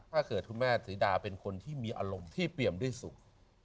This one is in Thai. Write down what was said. คุณแม่ศรีดาเป็นคนที่มีอารมณ์ที่เปรียมด้วยสุข